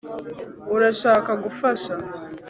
urashaka gufasha